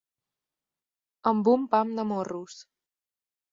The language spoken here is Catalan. Amb un pam de morros.